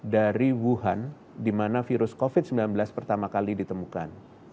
dari wuhan di mana virus covid sembilan belas pertama kali ditemukan